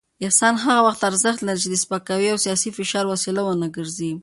احسان هغه وخت ارزښت لري چې د سپکاوي او سياسي فشار وسیله ونه ګرځي.